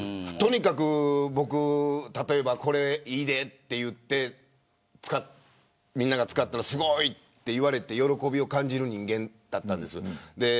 とにかく僕例えばこれいいで、と言ってみんなが使ったらすごいと言われて喜びを感じる人間だったんです。